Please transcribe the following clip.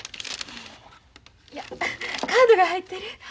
カードが入ってる。